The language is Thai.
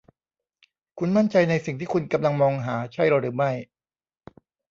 คุณมั่นใจในสิ่งที่คุณกำลังมองหาใช่หรือไม่